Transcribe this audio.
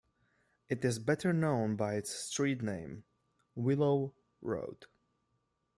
It is better known by its street name, Willow Road.